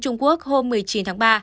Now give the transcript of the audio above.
trung quốc hôm một mươi chín tháng ba